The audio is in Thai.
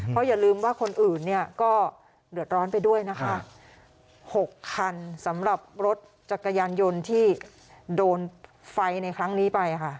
เพราะอย่าลืมว่าคนอื่นเนี่ยก็เดือดร้อนไปด้วยนะคะ๖คันสำหรับรถจักรยานยนต์ที่โดนไฟในครั้งนี้ไปค่ะ